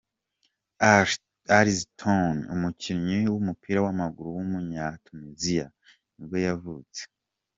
Ali Zitouni, umukinnyi w’umupira w’amaguru w’umunyatuniziya nibwo yavutse.